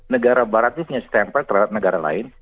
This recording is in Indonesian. negara barat ini punya stempel terhadap negara lain